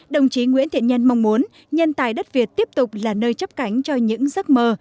đồng chí nguyễn thiện nhân mong muốn nhân tài đất việt tiếp tục là nơi chấp cánh cho những giấc mơ